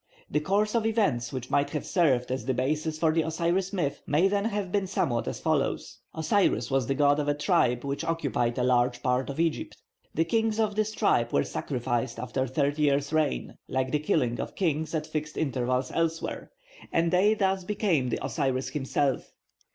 The course of events which might have served as the basis for the Osiris myth may then have been somewhat as follows. Osiris was the god of a tribe which occupied a large part of Egypt. The kings of this tribe were sacrificed after thirty years' reign (like the killing of kings at fixed intervals elsewhere), and they thus became the Osiris himself.